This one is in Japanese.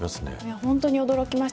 本当に驚きました。